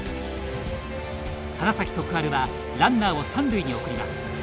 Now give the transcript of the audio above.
花咲徳栄はランナーを三塁に送ります。